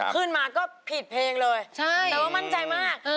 ขึ้นมาก็ผิดเพลงเลยแต่ว่ามั่นใจมาก